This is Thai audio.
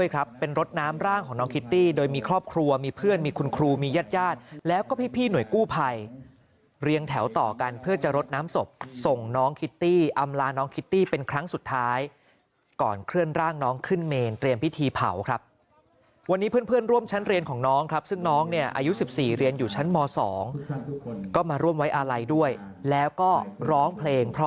ครับเป็นรถน้ำร่างของน้องคิตตี้โดยมีครอบครัวมีเพื่อนมีคุณครูมีญาติญาติแล้วก็พี่หน่วยกู้ภัยเรียงแถวต่อกันเพื่อจะรดน้ำศพส่งน้องคิตตี้อำลาน้องคิตตี้เป็นครั้งสุดท้ายก่อนเคลื่อนร่างน้องขึ้นเมนเตรียมพิธีเผาครับวันนี้เพื่อนร่วมชั้นเรียนของน้องครับซึ่งน้องเนี่ยอายุ๑๔เรียนอยู่ชั้นม๒ก็มาร่วมไว้อาลัยด้วยแล้วก็ร้องเพลงเพราะ